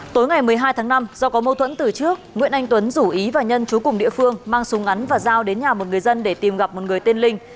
tối ngày một mươi hai tháng năm do có mâu thuẫn từ trước nguyễn anh tuấn rủ ý và nhân chú cùng địa phương mang súng ngắn và giao đến nhà một người dân để tìm gặp một người tên linh